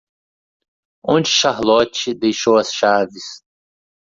Onde Charlotte deixou as chaves?